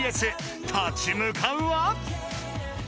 ［立ち向かうは］